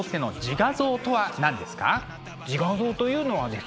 自画像というのはですね